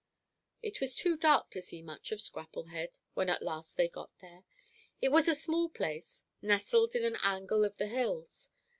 It was too dark to see much of Scrapplehead when at last they got there. It was a small place, nestled in an angle of the hills.